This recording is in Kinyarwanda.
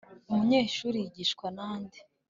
umunyeshuri yigishwa na nde